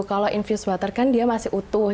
kalau infuse water kan dia masih utuh